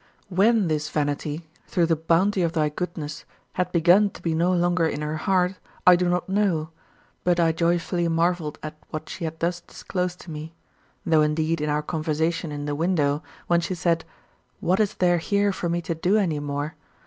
When this vanity, through the bounty of thy goodness, had begun to be no longer in her heart, I do not know; but I joyfully marveled at what she had thus disclosed to me though indeed in our conversation in the window, when she said, "What is there here for me to do any more?"